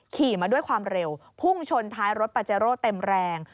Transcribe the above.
ขี่มาด้วยความเร็วพุ่งชนท้ายรถปาเจโร่เต็มแรง